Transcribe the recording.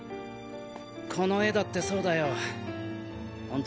この絵だってそうだよ。